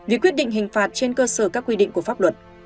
việc quyết định hình phạt trên cơ sở các quy định của pháp luật